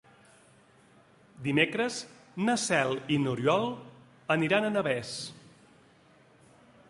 Dimecres na Cel i n'Oriol aniran a Navès.